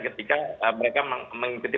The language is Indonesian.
ketika mereka mengikuti